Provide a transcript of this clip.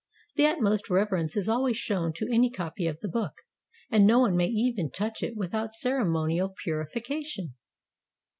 The utmost reverence is always shown to any copy of the book, and no one may even touch it without ceremonial purification.